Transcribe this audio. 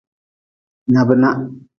Nyabi nah.